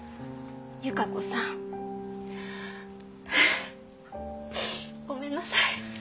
由加子さん。ハァごめんなさい。